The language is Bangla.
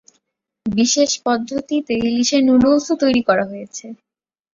বিশেষ পদ্ধতিতে ইলিশের নুডলসও তৈরি করা হয়েছে।